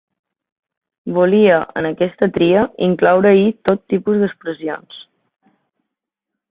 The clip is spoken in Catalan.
Volia, en aquesta tria incloure-hi tot tipus d’expressions.